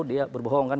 dia berbohong kan